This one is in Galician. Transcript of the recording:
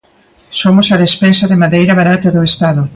Somos a despensa de madeira barata do Estado.